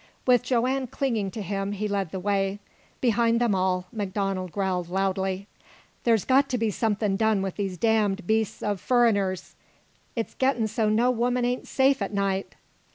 With Joanne clinging to him, he led the way. Behind them all MacDonald growled loudly: "There's got t' be something done with these damned beasts of furriners. It's gettin' so no woman ain't safe at night!"